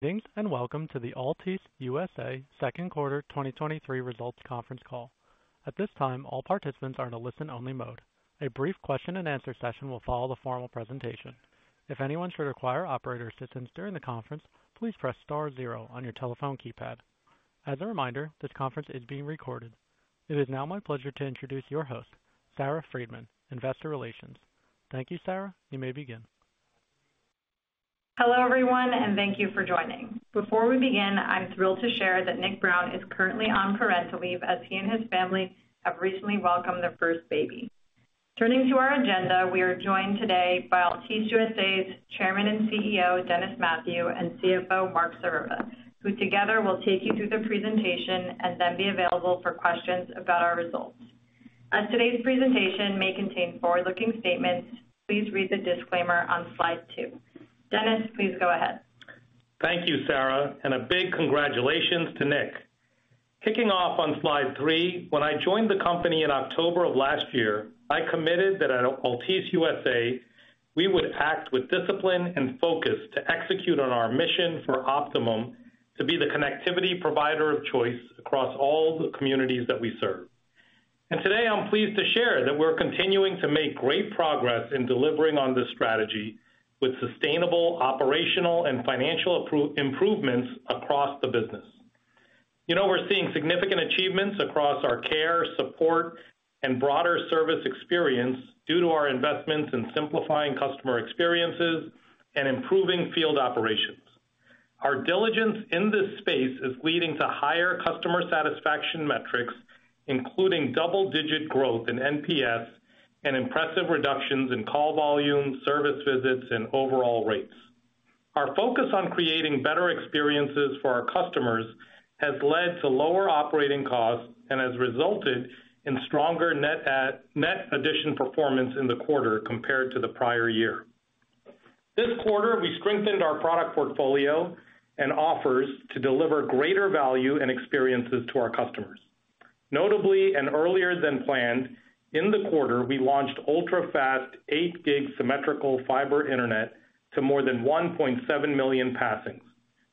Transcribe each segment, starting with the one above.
Greetings, and welcome to the Altice USA second quarter 2023 results conference call. At this time, all participants are in a listen-only mode. A brief question and answer session will follow the formal presentation. If anyone should require operator assistance during the conference, please press star zero on your telephone keypad. As a reminder, this conference is being recorded. It is now my pleasure to introduce your host, Sarah Friedman, Investor Relations. Thank you, Sarah. You may begin. Hello, everyone, and thank you for joining. Before we begin, I'm thrilled to share that Nick Brown is currently on parental leave as he and his family have recently welcomed their first baby. Turning to our agenda, we are joined today by Altice USA's Chairman and CEO, Dennis Mathew, and CFO, Marc Sirota, who together will take you through the presentation and then be available for questions about our results. As today's presentation may contain forward-looking statements, please read the disclaimer on slide 2. Dennis, please go ahead. Thank you, Sarah, and a big congratulations to Nick. Kicking off on slide 3, when I joined the company in October of 2023, I committed that at Altice USA, we would act with discipline and focus to execute on our mission for Optimum to be the connectivity provider of choice across all the communities that we serve. Today, I'm pleased to share that we're continuing to make great progress in delivering on this strategy with sustainable operational and financial improvements across the business. You know, we're seeing significant achievements across our care, support, and broader service experience due to our investments in simplifying customer experiences and improving field operations. Our diligence in this space is leading to higher customer satisfaction metrics, including double-digit growth in NPS and impressive reductions in call volume, service visits, and overall rates. Our focus on creating better experiences for our customers has led to lower operating costs and has resulted in stronger net addition performance in the quarter compared to the prior year. This quarter, we strengthened our product portfolio and offers to deliver greater value and experiences to our customers. Notably, earlier than planned, in the quarter, we launched Ultra-Fast 8 Gig Symmetrical Fiber Internet to more than 1.7 million passings,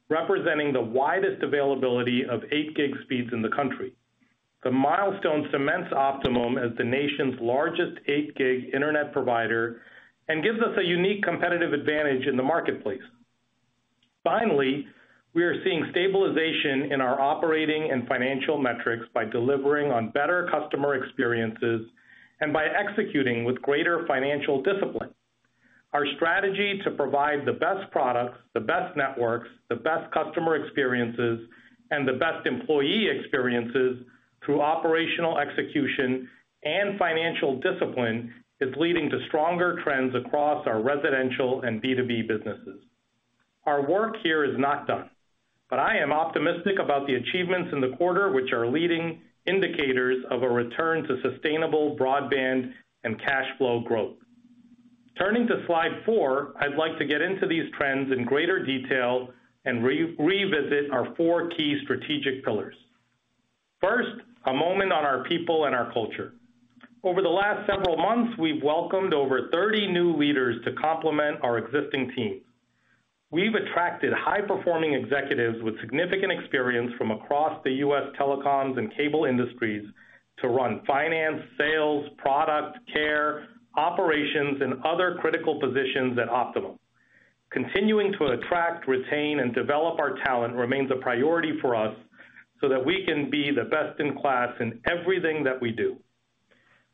representing the widest availability of 8 gig speeds in the country. The milestone cements Optimum as the nation's largest 8 gig internet provider and gives us a unique competitive advantage in the marketplace. Finally, we are seeing stabilization in our operating and financial metrics by delivering on better customer experiences and by executing with greater financial discipline. Our strategy to provide the best products, the best networks, the best customer experiences, and the best employee experiences through operational execution and financial discipline is leading to stronger trends across our residential and B2B businesses. Our work here is not done. I am optimistic about the achievements in the quarter, which are leading indicators of a return to sustainable broadband and cash flow growth. Turning to slide four, I'd like to get into these trends in greater detail and revisit our four key strategic pillars. First, a moment on our people and our culture. Over the last several months, we've welcomed over 30 new leaders to complement our existing team. We've attracted high-performing executives with significant experience from across the U.S. telecoms and cable industries to run finance, sales, product, care, operations, and other critical positions at Optimum. Continuing to attract, retain, and develop our talent remains a priority for us so that we can be the best in class in everything that we do.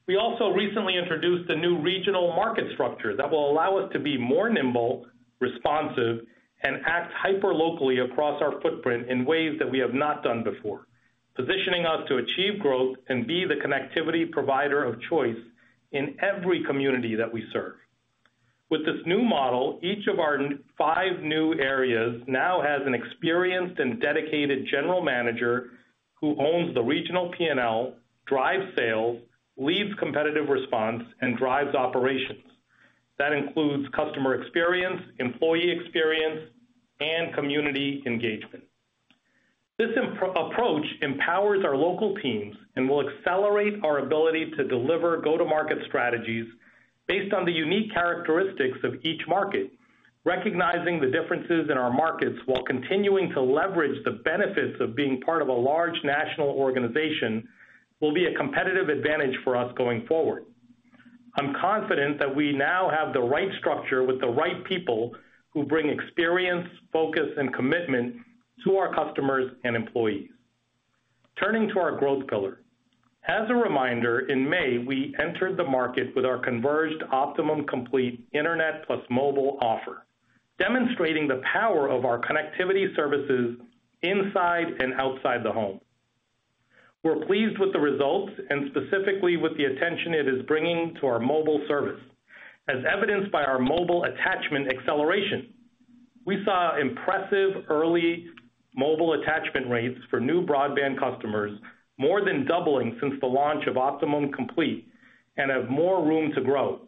We also recently introduced a new regional market structure that will allow us to be more nimble, responsive, and act hyperlocally across our footprint in ways that we have not done before, positioning us to achieve growth and be the connectivity provider of choice in every community that we serve. With this new model, each of our five new areas now has an experienced and dedicated general manager who owns the regional P&L, drives sales, leads competitive response, and drives operations. That includes customer experience, employee experience, and community engagement. This approach empowers our local teams and will accelerate our ability to deliver go-to-market strategies based on the unique characteristics of each market. Recognizing the differences in our markets while continuing to leverage the benefits of being part of a large national organization, will be a competitive advantage for us going forward. I'm confident that we now have the right structure with the right people who bring experience, focus, and commitment to our customers and employees. Turning to our growth pillar. As a reminder, in May, we entered the market with our converged Optimum Complete Internet plus mobile offer, demonstrating the power of our connectivity services inside and outside the home. We're pleased with the results and specifically with the attention it is bringing to our mobile service, as evidenced by our mobile attachment acceleration. We saw impressive early mobile attachment rates for new broadband customers, more than doubling since the launch of Optimum Complete and have more room to grow.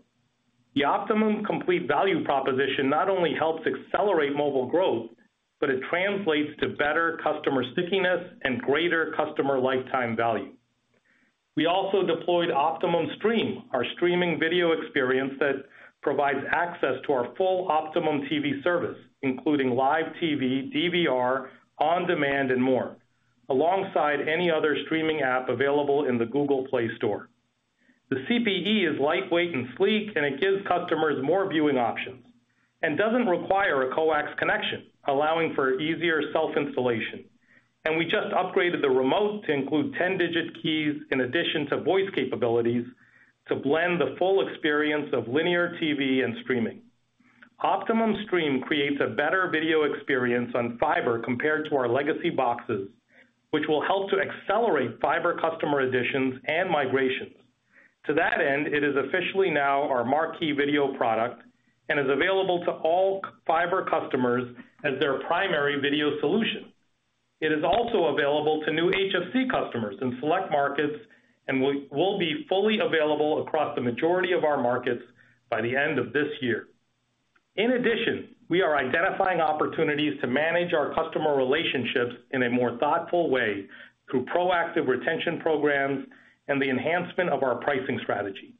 The Optimum Complete value proposition not only helps accelerate mobile growth, but it translates to better customer stickiness and greater customer lifetime value. We also deployed Optimum Stream, our streaming video experience that provides access to our full Optimum TV service, including live TV, DVR, on-demand, and more, alongside any other streaming app available in the Google Play Store. The CPE is lightweight and sleek, and it gives customers more viewing options and doesn't require a coax connection, allowing for easier self-installation. We just upgraded the remote to include 10-digit keys in addition to voice capabilities, to blend the full experience of linear TV and streaming. Optimum Stream creates a better video experience on fiber compared to our legacy boxes, which will help to accelerate fiber customer additions and migrations. To that end, it is officially now our marquee video product and is available to all [fiber] customers as their primary video solution. It is also available to new HFC customers in select markets and will be fully available across the majority of our markets by the end of this year. In addition, we are identifying opportunities to manage our customer relationships in a more thoughtful way through proactive retention programs and the enhancement of our pricing strategy.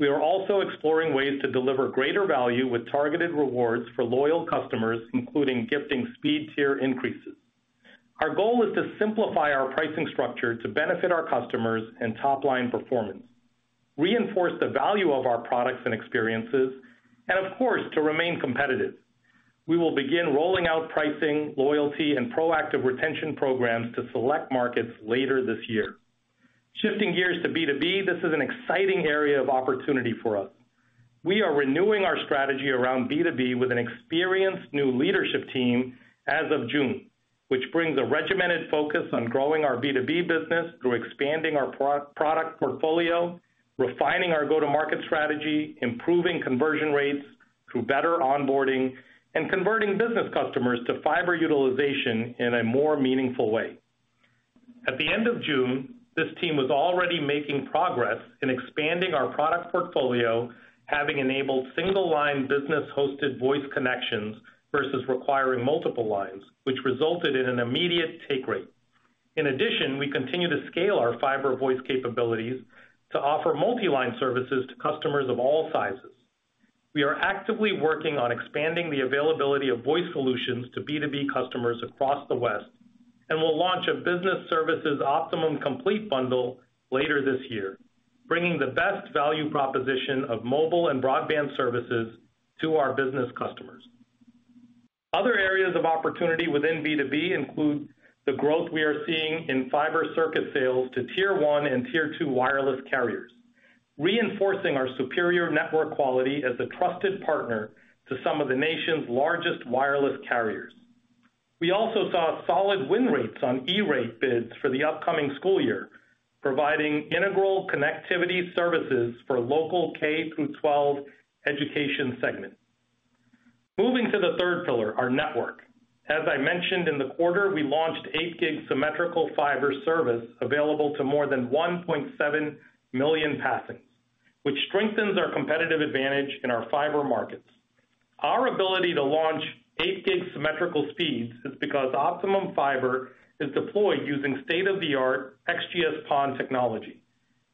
We are also exploring ways to deliver greater value with targeted rewards for loyal customers, including gifting speed tier increases. Our goal is to simplify our pricing structure to benefit our customers and top-line performance, reinforce the value of our products and experiences, and of course, to remain competitive. We will begin rolling out pricing, loyalty, and proactive retention programs to select markets later this year. Shifting gears to B2B, this is an exciting area of opportunity for us. We are renewing our strategy around B2B with an experienced new leadership team as of June, which brings a regimented focus on growing our B2B business through expanding our pro- product portfolio, refining our go-to-market strategy, improving conversion rates through better onboarding, and converting business customers to fiber utilization in a more meaningful way. At the end of June, this team was already making progress in expanding our product portfolio, having enabled single-line business-hosted voice connections versus requiring multiple lines, which resulted in an immediate take rate. In addition, we continue to scale our fiber voice capabilities to offer multi-line services to customers of all sizes. We are actively working on expanding the availability of voice solutions to B2B customers across the West, and we'll launch a business services Optimum Complete bundle later this year, bringing the best value proposition of mobile and broadband services to our business customers. Other areas of opportunity within B2B include the growth we are seeing in fiber circuit sales to Tier 1 and Tier 2 wireless carriers, reinforcing our superior network quality as a trusted partner to some of the nation's largest wireless carriers. We also saw solid win rates on E-rate bids for the upcoming school year, providing integral connectivity services for local K-12 education segment. Moving to the third pillar, our network. As I mentioned in the quarter, we launched 8 Gig Symmetrical Fiber Service available to more than 1.7 million passings, which strengthens our competitive advantage in our fiber markets. Our ability to launch 8 gig symmetrical speeds is because Optimum Fiber is deployed using state-of-the-art XGS-PON technology,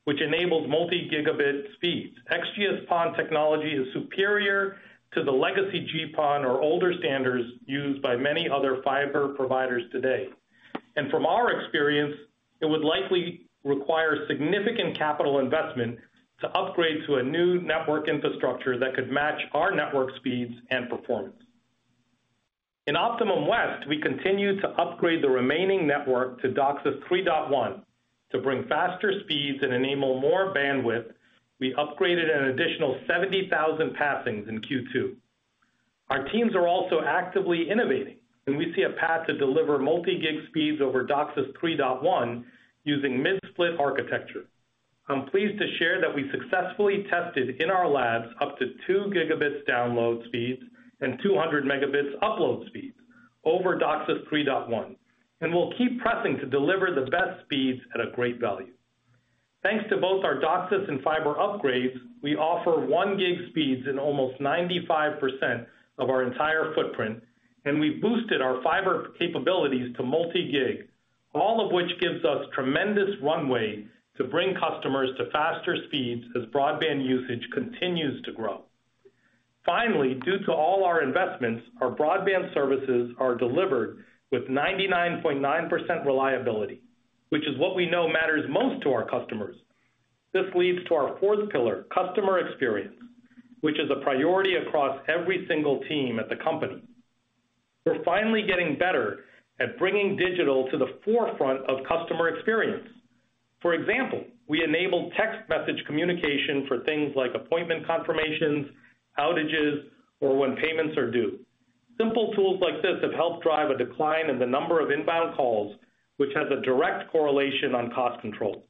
which enables multi-gigabit speeds. XGS-PON technology is superior to the legacy GPON or older standards used by many other fiber providers today. From our experience, it would likely require significant capital investment to upgrade to a new network infrastructure that could match our network speeds and performance. In Optimum West, we continue to upgrade the remaining network to DOCSIS 3.1. To bring faster speeds and enable more bandwidth, we upgraded an additional 70,000 passings in Q2. Our teams are also actively innovating. We see a path to deliver multi-gig speeds over DOCSIS 3.1 using mid-split architecture. I'm pleased to share that we successfully tested in our labs up to 2 Gbps download speeds and 200 Mbps upload speeds over DOCSIS 3.1. We'll keep pressing to deliver the best speeds at a great value. Thanks to both our DOCSIS and fiber upgrades, we offer 1 gig speeds in almost 95% of our entire footprint. We've boosted our fiber capabilities to multi-gig, all of which gives us tremendous runway to bring customers to faster speeds as broadband usage continues to grow. Finally, due to all our investments, our broadband services are delivered with 99.9% reliability, which is what we know matters most to our customers. This leads to our fourth pillar, customer experience, which is a priority across every single team at the company. We're finally getting better at bringing digital to the forefront of customer experience. For example, we enable text message communication for things like appointment confirmations, outages, or when payments are due. Simple tools like this have helped drive a decline in the number of inbound calls, which has a direct correlation on cost control.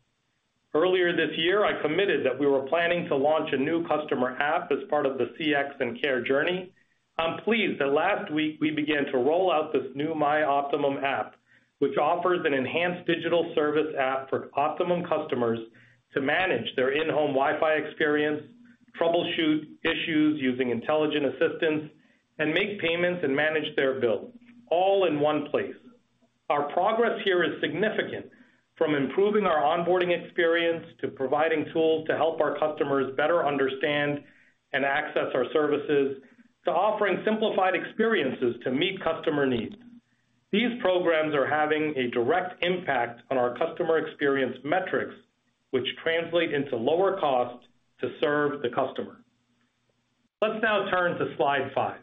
Earlier this year, I committed that we were planning to launch a new customer app as part of the CX and care journey. I'm pleased that last week we began to roll out this new My Optimum app, which offers an enhanced digital service app for Optimum customers to manage their in-home Wi-Fi experience-... troubleshoot issues using intelligent assistance, and make payments and manage their bills, all in one place. Our progress here is significant, from improving our onboarding experience, to providing tools to help our customers better understand and access our services, to offering simplified experiences to meet customer needs. These programs are having a direct impact on our customer experience metrics, which translate into lower costs to serve the customer. Let's now turn to slide 5.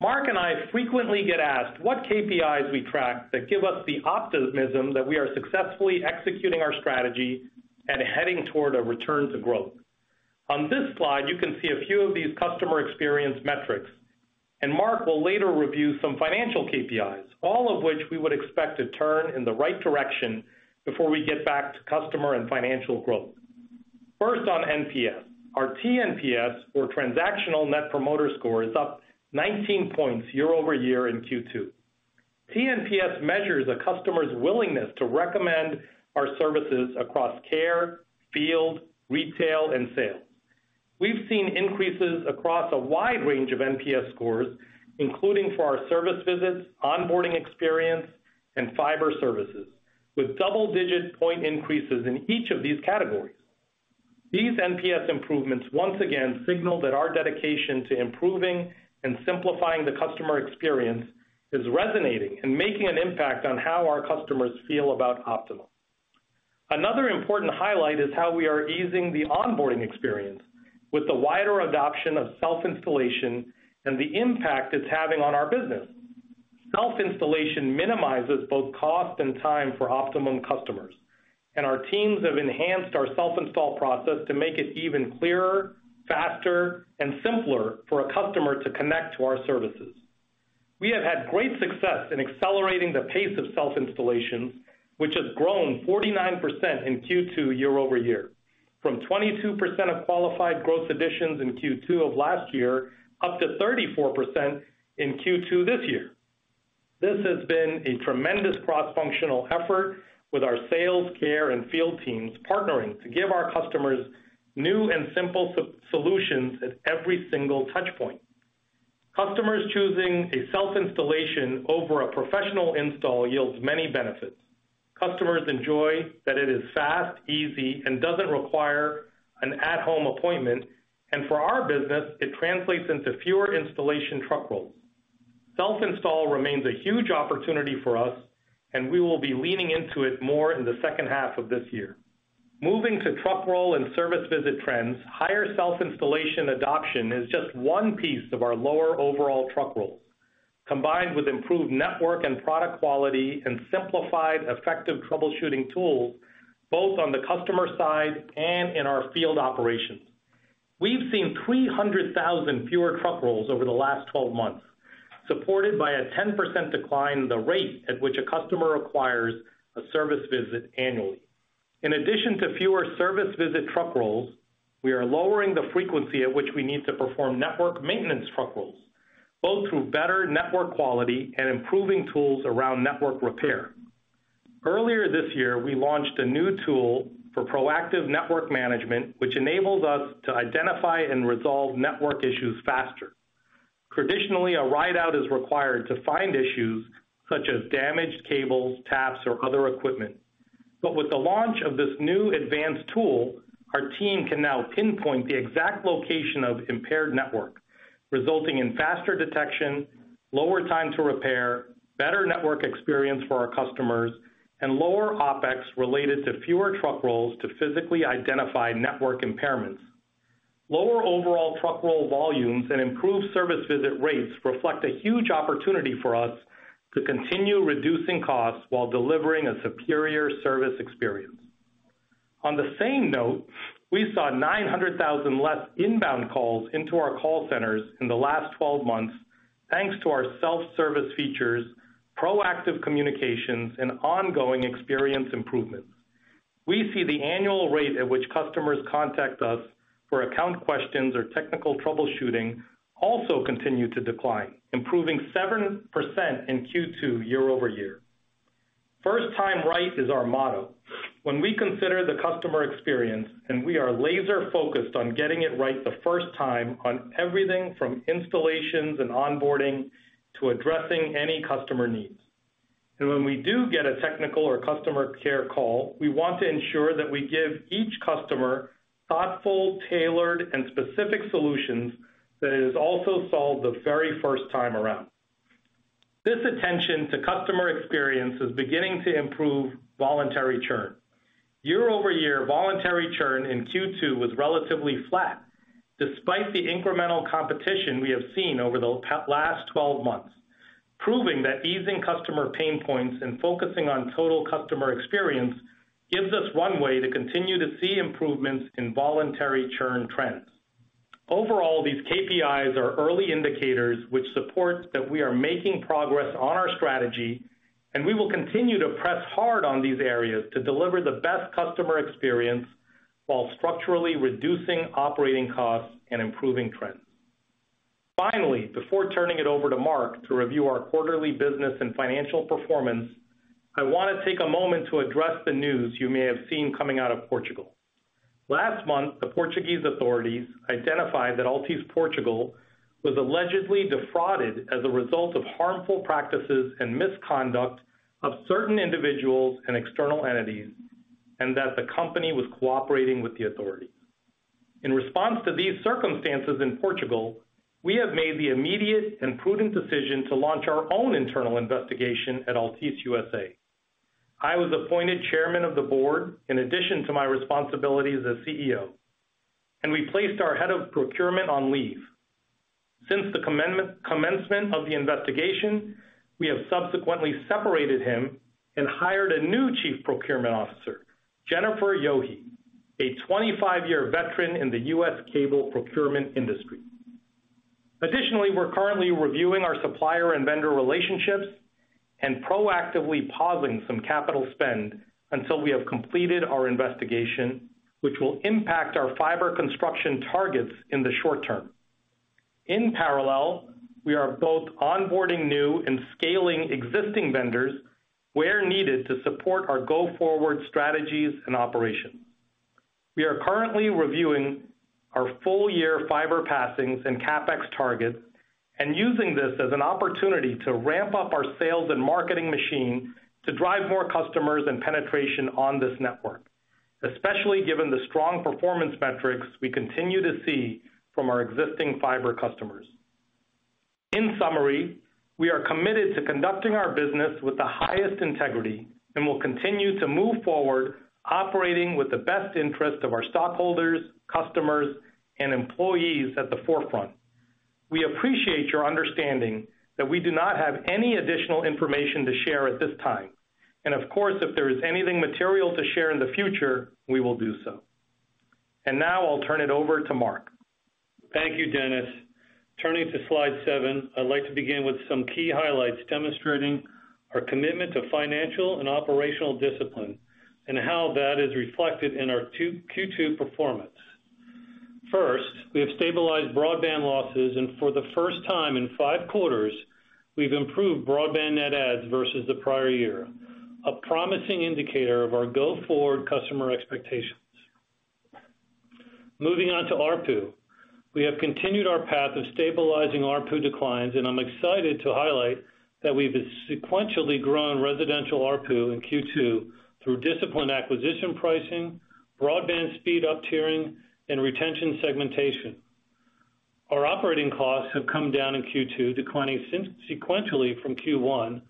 Marc and I frequently get asked what KPIs we track that give us the optimism that we are successfully executing our strategy and heading toward a return to growth. On this slide, you can see a few of these customer experience metrics. Marc will later review some financial KPIs, all of which we would expect to turn in the right direction before we get back to customer and financial growth. First, on NPS. Our TNPS, or Transactional Net Promoter Score, is up 19 points year-over-year in Q2. TNPS measures a customer's willingness to recommend our services across care, field, retail, and sales. We've seen increases across a wide range of NPS scores, including for our service visits, onboarding experience, and fiber services, with double-digit point increases in each of these categories. These NPS improvements once again signal that our dedication to improving and simplifying the customer experience is resonating and making an impact on how our customers feel about Optimum. Another important highlight is how we are easing the onboarding experience with the wider adoption of self-installation and the impact it's having on our business. Self-installation minimizes both cost and time for Optimum customers, and our teams have enhanced our self-install process to make it even clearer, faster, and simpler for a customer to connect to our services. We have had great success in accelerating the pace of self-installation, which has grown 49% in Q2 year-over-year, from 22% of qualified growth additions in Q2 of last year, up to 34% in Q2 this year. This has been a tremendous cross-functional effort with our sales, care, and field teams partnering to give our customers new and simple solutions at every single touch point. Customers choosing a self-installation over a professional install yields many benefits. Customers enjoy that it is fast, easy, and doesn't require an at-home appointment, and for our business, it translates into fewer installation truck rolls. Self-install remains a huge opportunity for us, and we will be leaning into it more in the second half of this year. Moving to truck roll and service visit trends, higher self-installation adoption is just one piece of our lower overall truck roll. Combined with improved network and product quality and simplified, effective troubleshooting tools, both on the customer side and in our field operations. We've seen 300,000 fewer truck rolls over the last 12 months, supported by a 10% decline in the rate at which a customer acquires a service visit annually. In addition to fewer service visit truck rolls, we are lowering the frequency at which we need to perform network maintenance truck rolls, both through better network quality and improving tools around network repair. Earlier this year, we launched a new tool for proactive network management, which enables us to identify and resolve network issues faster. Traditionally, a ride-out is required to find issues such as damaged cables, taps, or other equipment. With the launch of this new advanced tool, our team can now pinpoint the exact location of impaired network, resulting in faster detection, lower time to repair, better network experience for our customers, and lower OpEx related to fewer truck rolls to physically identify network impairments. Lower overall truck roll volumes and improved service visit rates reflect a huge opportunity for us to continue reducing costs while delivering a superior service experience. On the same note, we saw 900,000 less inbound calls into our call centers in the last 12 months, thanks to our self-service features, proactive communications, and ongoing experience improvements. We see the annual rate at which customers contact us for account questions or technical troubleshooting also continue to decline, improving 7% in Q2 year-over-year. First time right is our motto. When we consider the customer experience, we are laser focused on getting it right the first time on everything from installations and onboarding to addressing any customer needs. When we do get a technical or customer care call, we want to ensure that we give each customer thoughtful, tailored, and specific solutions that is also solved the very first time around. This attention to customer experience is beginning to improve voluntary churn. Year-over-year, voluntary churn in Q2 was relatively flat, despite the incremental competition we have seen over the last 12 months, proving that easing customer pain points and focusing on total customer experience gives us one way to continue to see improvements in voluntary churn trends. Overall, these KPIs are early indicators which support that we are making progress on our strategy, and we will continue to press hard on these areas to deliver the best customer experience while structurally reducing operating costs and improving trends. Finally, before turning it over to Marc to review our quarterly business and financial performance, I want to take a moment to address the news you may have seen coming out of Portugal. Last month, the Portuguese authorities identified that Altice Portugal was allegedly defrauded as a result of harmful practices and misconduct of certain individuals and external entities, and that the company was cooperating with the authorities. In response to these circumstances in Portugal, we have made the immediate and prudent decision to launch our own internal investigation at Altice USA. I was appointed Chairman of the Board in addition to my responsibilities as CEO. We placed our head of procurement on leave. Since the commencement of the investigation, we have subsequently separated him and hired a new Chief Procurement Officer, Jennifer Yohe, a 25-year veteran in the U.S. cable procurement industry. Additionally, we're currently reviewing our supplier and vendor relationships and proactively pausing some capital spend until we have completed our investigation, which will impact our fiber construction targets in the short term. In parallel, we are both onboarding new and scaling existing vendors where needed to support our go forward strategies and operations. We are currently reviewing our full year fiber passings and CapEx targets and using this as an opportunity to ramp up our sales and marketing machine to drive more customers and penetration on this network, especially given the strong performance metrics we continue to see from our existing fiber customers. In summary, we are committed to conducting our business with the highest integrity and will continue to move forward, operating with the best interest of our stockholders, customers, and employees at the forefront. We appreciate your understanding that we do not have any additional information to share at this time, and of course, if there is anything material to share in the future, we will do so. Now I'll turn it over to Marc. Thank you, Dennis. Turning to slide 7, I'd like to begin with some key highlights demonstrating our commitment to financial and operational discipline and how that is reflected in our Q2 performance. First, we have stabilized broadband losses, and for the first time in five quarters, we've improved broadband net adds versus the prior year, a promising indicator of our go forward customer expectations. Moving on to ARPU. We have continued our path of stabilizing ARPU declines, and I'm excited to highlight that we've sequentially grown residential ARPU in Q2 through disciplined acquisition pricing, broadband speed up tiering, and retention segmentation. Our operating costs have come down in Q2, declining sequentially from Q1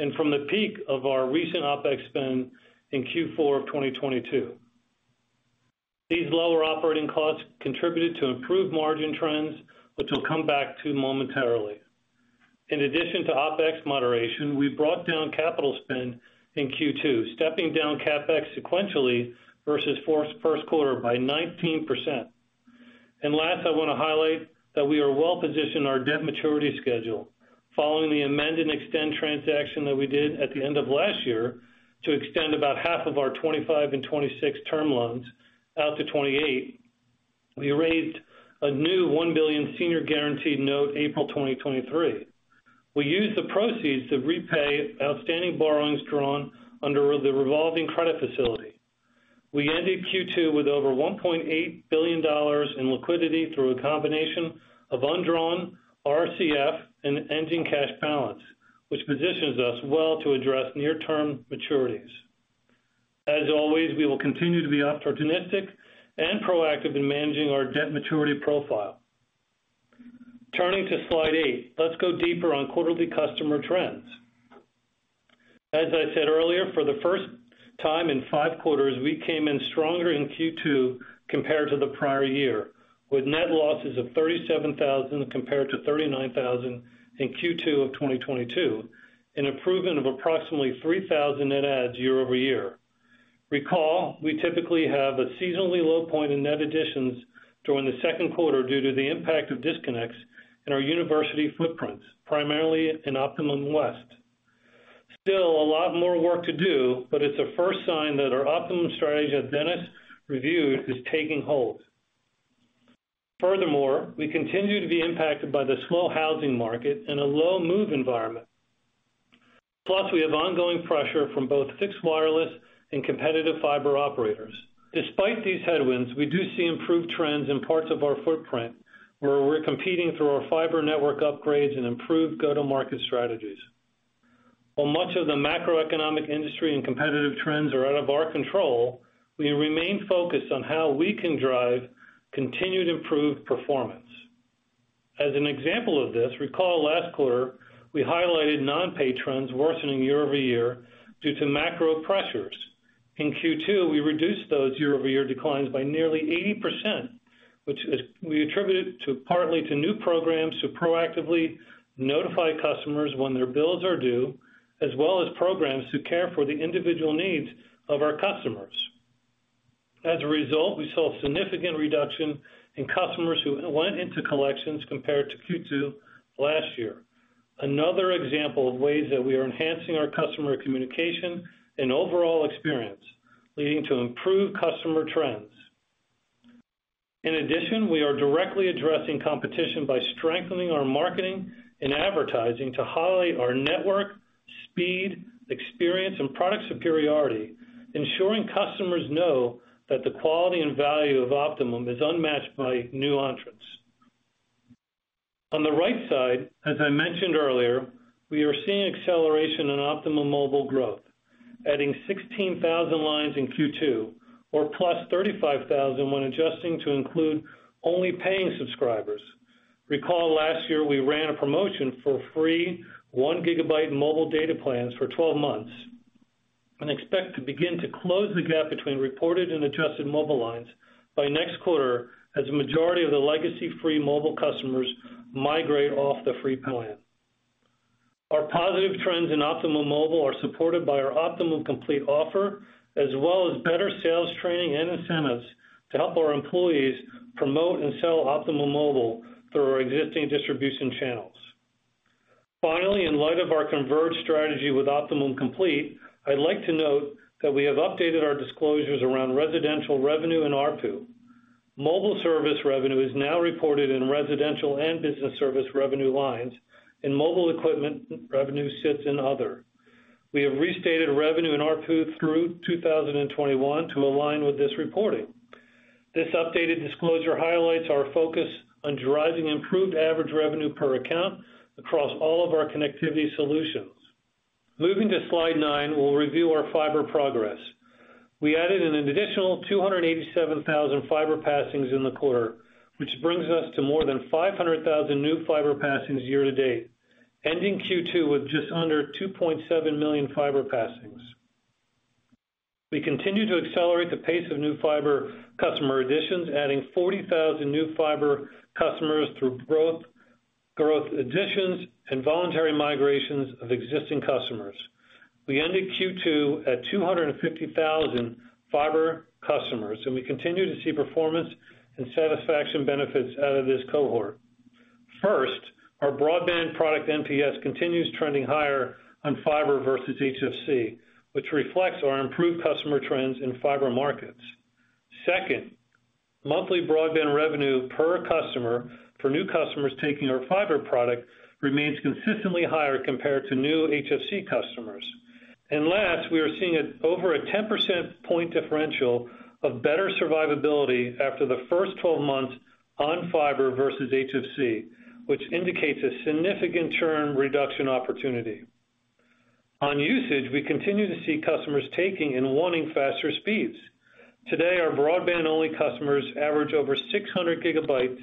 and from the peak of our recent OpEx spend in Q4 of 2022. These lower operating costs contributed to improved margin trends, which we'll come back to momentarily. In addition to OpEx moderation, we brought down capital spend in Q2, stepping down CapEx sequentially versus first quarter by 19%. Last, I want to highlight that we are well positioned in our debt maturity schedule. Following the amend and extend transaction that we did at the end of last year to extend about half of our 2025 and 2026 term loans out to 2028, we raised a new $1 billion senior guaranteed note April 2023. We used the proceeds to repay outstanding borrowings drawn under the revolving credit facility. We ended Q2 with over $1.8 billion in liquidity through a combination of undrawn RCF and ending cash balance, which positions us well to address near-term maturities. As always, we will continue to be opportunistic and proactive in managing our debt maturity profile. Turning to slide eight, let's go deeper on quarterly customer trends. As I said earlier, for the first time in five quarters, we came in stronger in Q2 compared to the prior year, with net losses of 37,000 compared to 39,000 in Q2 of 2022, an improvement of approximately 3,000 net adds year-over-year. Recall, we typically have a seasonally low point in net additions during the second quarter due to the impact of disconnects in our university footprints, primarily in Optimum West. Still a lot more work to do, it's a first sign that our Optimum strategy that Dennis reviewed is taking hold. Furthermore, we continue to be impacted by the slow housing market and a low move environment. We have ongoing pressure from both fixed wireless and competitive fiber operators. Despite these headwinds, we do see improved trends in parts of our footprint, where we're competing through our fiber network upgrades and improved go-to-market strategies. While much of the macroeconomic industry and competitive trends are out of our control, we remain focused on how we can drive continued improved performance. As an example of this, recall last quarter, we highlighted non-pay trends worsening year-over-year due to macro pressures. In Q2, we reduced those year-over-year declines by nearly 80%, which we attribute it to, partly to new programs to proactively notify customers when their bills are due, as well as programs to care for the individual needs of our customers. As a result, we saw a significant reduction in customers who went into collections compared to Q2 last year. Another example of ways that we are enhancing our customer communication and overall experience, leading to improved customer trends. In addition, we are directly addressing competition by strengthening our marketing and advertising to highlight our network, speed, experience, and product superiority, ensuring customers know that the quality and value of Optimum is unmatched by new entrants. On the right side, as I mentioned earlier, we are seeing acceleration in Optimum Mobile growth, adding 16,000 lines in Q2, or +35,000 when adjusting to include only paying subscribers. Recall last year, we ran a promotion for free 1 gigabyte mobile data plans for 12 months, and expect to begin to close the gap between reported and adjusted mobile lines by next quarter, as the majority of the legacy free mobile customers migrate off the free plan. Our positive trends in Optimum Mobile are supported by our Optimum Complete offer, as well as better sales training and incentives to help our employees promote and sell Optimum Mobile through our existing distribution channels. Finally, in light of our converged strategy with Optimum Complete, I'd like to note that we have updated our disclosures around residential revenue and ARPU. Mobile service revenue is now reported in residential and business service revenue lines, and mobile equipment revenue sits in other. We have restated revenue and ARPU through 2021 to align with this reporting. This updated disclosure highlights our focus on driving improved average revenue per account across all of our connectivity solutions. Moving to slide 9, we'll review our fiber progress. We added an additional 287,000 fiber passings in the quarter, which brings us to more than 500,000 new fiber passings year to date, ending Q2 with just under 2.7 million fiber passings. We continue to accelerate the pace of new fiber customer additions, adding 40,000 new fiber customers through growth, growth additions, and voluntary migrations of existing customers. We ended Q2 at 250,000 fiber customers, and we continue to see performance and satisfaction benefits out of this cohort. First, our broadband product NPS continues trending higher on fiber versus HFC, which reflects our improved customer trends in fiber markets. Second, monthly broadband revenue per customer for new customers taking our fiber product remains consistently higher compared to new HFC customers. Last, we are seeing a over a 10 percentage point differential of better survivability after the first 12 months on fiber versus HFC, which indicates a significant churn reduction opportunity. On usage, we continue to see customers taking and wanting faster speeds. Today, our broadband-only customers average over 600 GB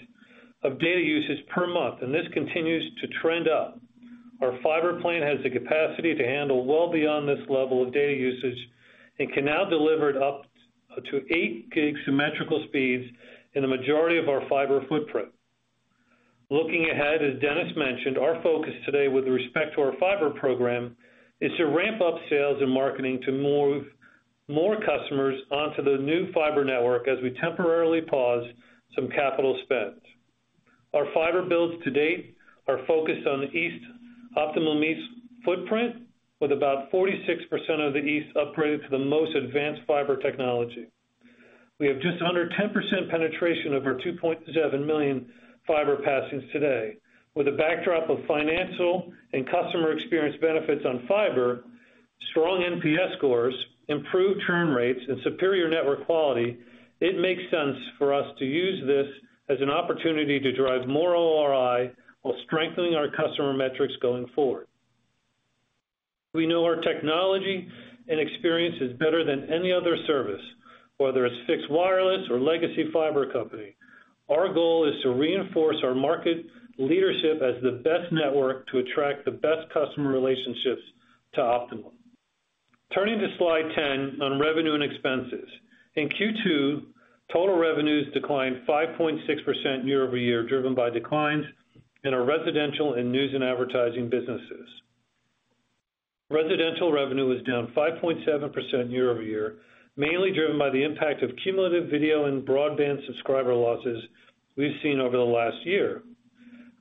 of data usage per month, and this continues to trend up. Our fiber plan has the capacity to handle well beyond this level of data usage and can now deliver it up to 8 gig symmetrical speeds in the majority of our fiber footprint. Looking ahead, as Dennis Mathew mentioned, our focus today with respect to our fiber program is to ramp up sales and marketing to move more customers onto the new fiber network as we temporarily pause some capital spends. Our fiber builds to date are focused on the east, Optimum East footprint, with about 46% of the east upgraded to the most advanced fiber technology. We have just under 10% penetration of our 2.7 million fiber passings today. With a backdrop of financial and customer experience benefits on fiber, strong NPS scores, improved churn rates, and superior network quality, it makes sense for us to use this as an opportunity to drive more ROI while strengthening our customer metrics going forward. We know our technology and experience is better than any other service, whether it's fixed, wireless, or legacy fiber company. Our goal is to reinforce our market leadership as the best network to attract the best customer relationships to Optimum. Turning to slide 10 on revenue and expenses. In Q2, total revenues declined 5.6% year-over-year, driven by declines in our residential and news and advertising businesses. Residential revenue was down 5.7% year-over-year, mainly driven by the impact of cumulative video and broadband subscriber losses we've seen over the last year.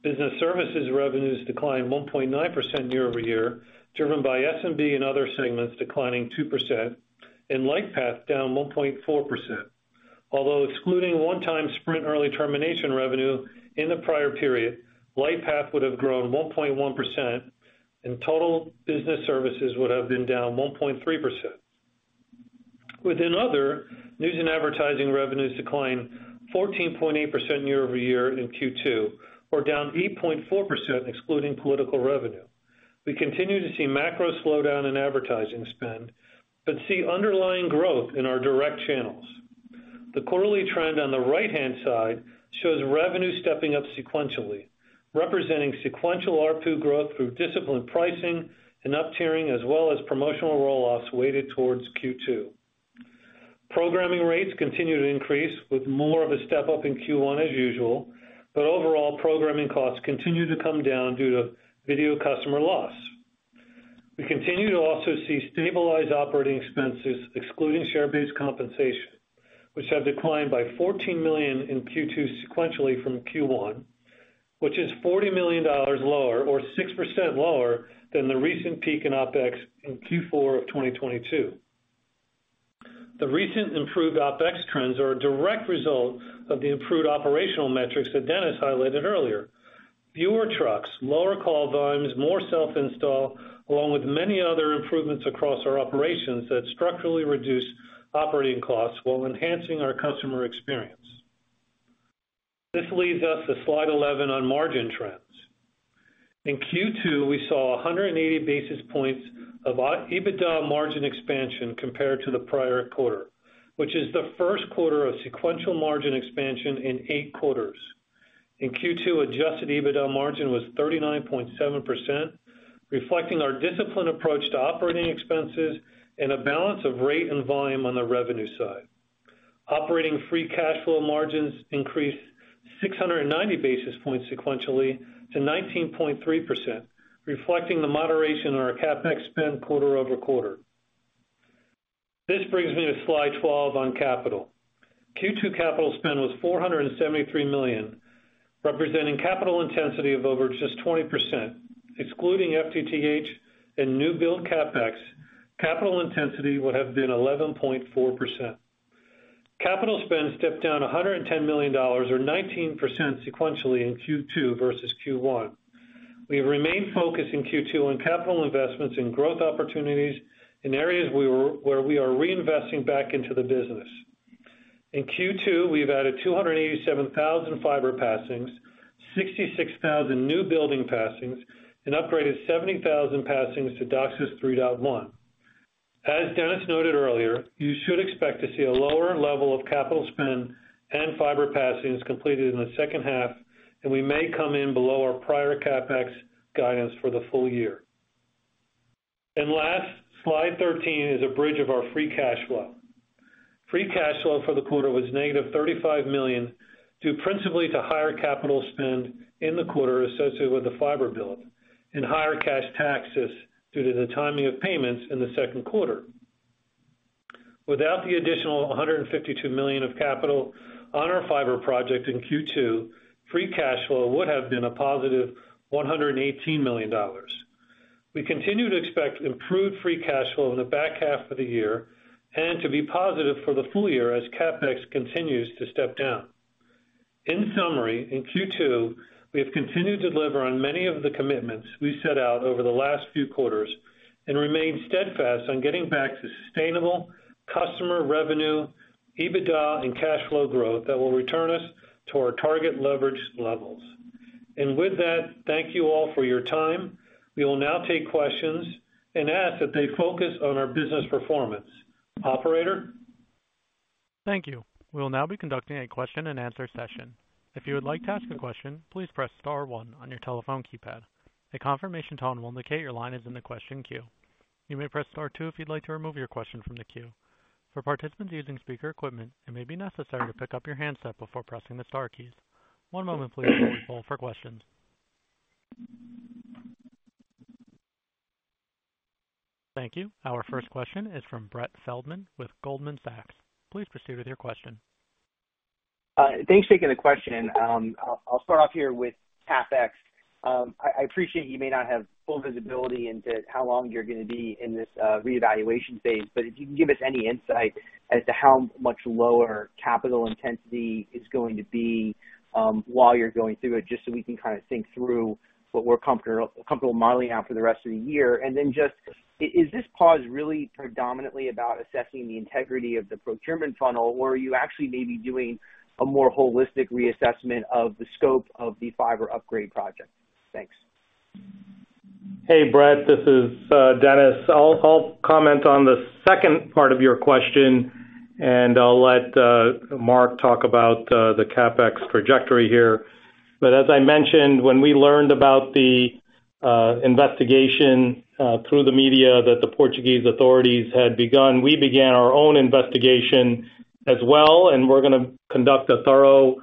Business services revenues declined 1.9% year-over-year, driven by SMB and other segments declining 2% and Lightpath down 1.4%. Although excluding one-time Sprint early termination revenue in the prior period, Lightpath would have grown 1.1%, and total business services would have been down 1.3%. Within other, news and advertising revenues declined 14.8% year-over-year in Q2, or down 8.4%, excluding political revenue. We continue to see macro slowdown in advertising spend, but see underlying growth in our direct channels. The quarterly trend on the right-hand side shows revenue stepping up sequentially, representing sequential ARPU growth through disciplined pricing and up-tiering, as well as promotional roll-offs weighted towards Q2. Programming rates continue to increase, with more of a step-up in Q1 as usual, but overall, programming costs continue to come down due to video customer loss. We continue to also see stabilized operating expenses, excluding share-based compensation, which have declined by $14 million in Q2 sequentially from Q1, which is $40 million lower or 6% lower than the recent peak in OpEx in Q4 of 2022. The recent improved OpEx trends are a direct result of the improved operational metrics that Dennis highlighted earlier. Fewer trucks, lower call volumes, more self-install, along with many other improvements across our operations that structurally reduce operating costs while enhancing our customer experience. This leads us to slide 11 on margin trends. In Q2, we saw 180 basis points of our EBITDA margin expansion compared to the prior quarter, which is the first quarter of sequential margin expansion in eight quarters. In Q2, adjusted EBITDA margin was 39.7%, reflecting our disciplined approach to operating expenses and a balance of rate and volume on the revenue side. Operating free cash flow margins increased 690 basis points sequentially to 19.3%, reflecting the moderation on our CapEx spend quarter-over-quarter. This brings me to slide 12 on capital. Q2 capital spend was $473 million, representing capital intensity of over just 20%. Excluding FTTH and new build CapEx, capital intensity would have been 11.4%. Capital spend stepped down $110 million or 19% sequentially in Q2 versus Q1. We have remained focused in Q2 on capital investments and growth opportunities in areas where we are reinvesting back into the business. In Q2, we've added 287,000 fiber passings, 66,000 new building passings, and upgraded 70,000 passings to DOCSIS 3.1. As Dennis noted earlier, you should expect to see a lower level of capital spend and fiber passings completed in the second half, and we may come in below our prior CapEx guidance for the full year. Last, slide 13 is a bridge of our free cash flow. Free cash flow for the quarter was -$35 million, due principally to higher capital spend in the quarter associated with the fiber build and higher cash taxes due to the timing of payments in the second quarter. Without the additional $152 million of capital on our fiber project in Q2, free cash flow would have been a +$118 million. We continue to expect improved free cash flow in the back half of the year and to be positive for the full year as CapEx continues to step down. In summary, in Q2, we have continued to deliver on many of the commitments we set out over the last few quarters and remain steadfast on getting back to sustainable customer revenue, EBITDA, and cash flow growth that will return us to our target leverage levels. With that, thank you all for your time. We will now take questions and ask that they focus on our business performance. Operator? Thank you. We will now be conducting a question-and-answer session. If you would like to ask a question, please press star one on your telephone keypad. A confirmation tone will indicate your line is in the question queue. You may press star two if you'd like to remove your question from the queue. For participants using speaker equipment, it may be necessary to pick up your handset before pressing the star keys. One moment, please, while we poll for questions. Thank you. Our first question is from Brett Feldman with Goldman Sachs. Please proceed with your question. Thanks for taking the question. I'll, I'll start off here with CapEx. I, I appreciate you may not have full visibility into how long you're gonna be in this reevaluation phase, but if you can give us any insight as to how much lower capital intensity is going to be while you're going through it, just so we can kind of think through what we're comfortable, comfortable modeling out for the rest of the year. Then just, is this pause really predominantly about assessing the integrity of the procurement funnel, or are you actually maybe doing a more holistic reassessment of the scope of the fiber upgrade project? Thanks. Hey, Brett, this is, Dennis. I'll, I'll comment on the second part of your question, and I'll let, Marc talk about, the CapEx trajectory here. As I mentioned, when we learned about the, investigation, through the media that the Portuguese authorities had begun, we began our own investigation as well, and we're gonna conduct a thorough,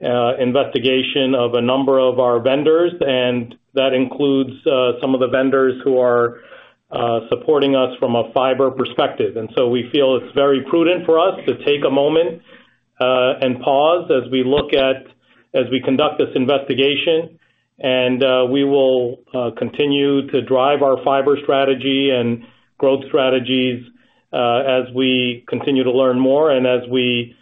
investigation of a number of our vendors, and that includes, some of the vendors who are, supporting us from a fiber perspective. We feel it's very prudent for us to take a moment, and pause as we conduct this investigation. We will, continue to drive our fiber strategy and growth strategies, as we continue to learn more and as we,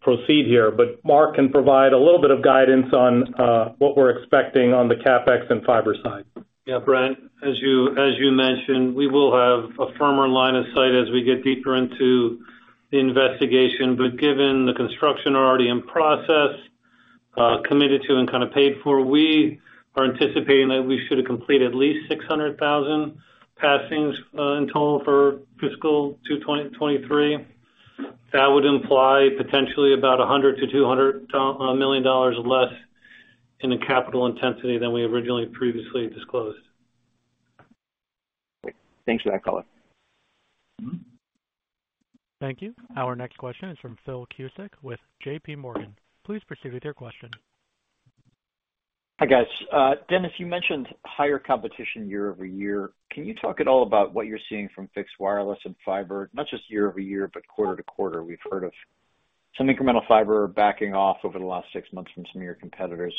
proceed here. Marc can provide a little bit of guidance on what we're expecting on the CapEx and fiber side. Yeah, Brett, as you, as you mentioned, we will have a firmer line of sight as we get deeper into the investigation. Given the construction are already in process, committed to and kind of paid for, we are anticipating that we should have completed at least 600,000 passings in total for fiscal 2023. That would imply potentially about $100 million-$200 million less in the capital intensity than we originally previously disclosed. Thanks for that color. Thank you. Our next question is from Phil Cusick with JP Morgan. Please proceed with your question. Hi, guys. Dennis, you mentioned higher competition year-over-year. Can you talk at all about what you're seeing from fixed wireless and fiber, not just year-over-year, but quarter-to-quarter? We've heard of some incremental fiber backing off over the last six months from some of your competitors.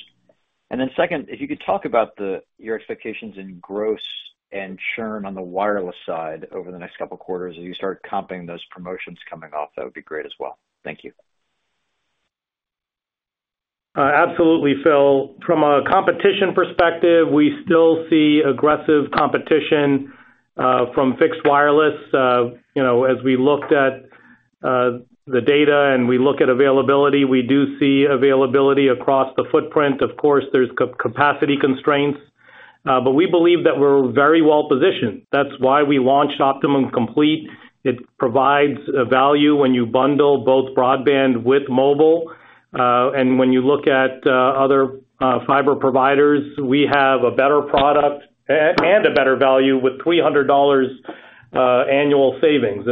Then second, if you could talk about your expectations in gross and churn on the wireless side over the next couple of quarters, as you start comping those promotions coming off, that would be great as well. Thank you. Absolutely, Phil. From a competition perspective, we still see aggressive competition from fixed wireless. You know, as we looked at the data and we look at availability, we do see availability across the footprint. Of course, there's capacity constraints, but we believe that we're very well positioned. That's why we launched Optimum Complete. It provides value when you bundle both broadband with mobile. When you look at other fiber providers, we have a better product and a better value with $300 annual savings.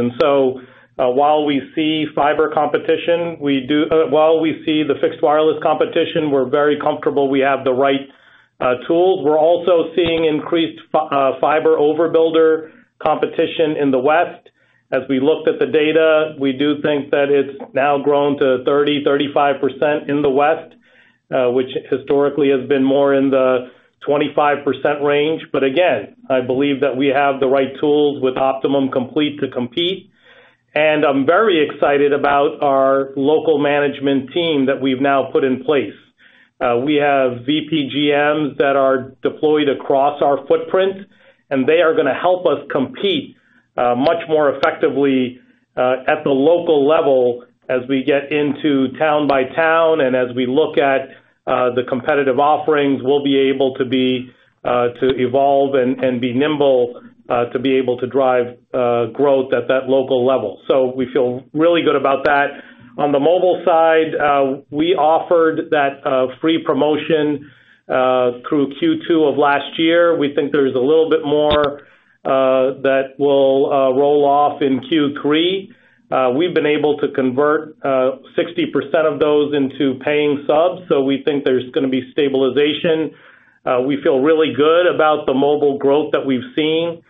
While we see fiber competition, while we see the fixed wireless competition, we're very comfortable we have the right tools. We're also seeing increased fiber overbuilder competition in the West. As we looked at the data, we do think that it's now grown to 30%-35% in the West, which historically has been more in the 25% range. Again, I believe that we have the right tools with Optimum Complete to compete, and I'm very excited about our local management team that we've now put in place. We have VPGM that are deployed across our footprint, and they are gonna help us compete much more effectively at the local level as we get into town by town, and as we look at the competitive offerings, we'll be able to be to evolve and be nimble to be able to drive growth at that local level. We feel really good about that. On the mobile side, we offered that free promotion through Q2 of last year. We think there's a little bit more that will roll off in Q3. We've been able to convert 60% of those into paying subs, so we think there's gonna be stabilization. We feel really good about the mobile growth that we've seen.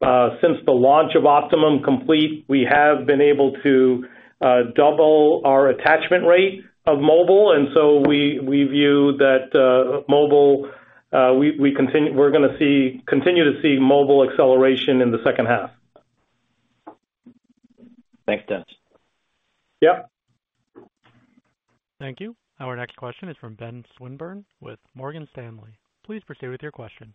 Since the launch of Optimum Complete, we have been able to double our attachment rate of mobile, and so we, we view that mobile continue to see mobile acceleration in the second half. Thanks, Dennis. Yep. Thank you. Our next question is from Ben Swinburne with Morgan Stanley. Please proceed with your question.